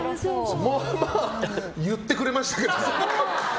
まあまあ言ってくれましたけど。